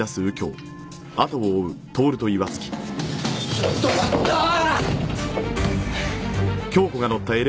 ちょっと待ったー！